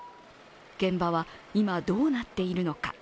現場は今、どうなっているのか。